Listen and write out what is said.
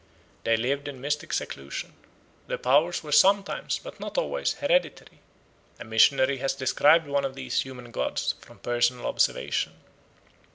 They lived in mystic seclusion. Their powers were sometimes, but not always, hereditary. A missionary has described one of these human gods from personal observation.